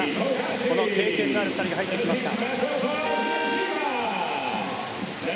この経験のある２人が入ってきました。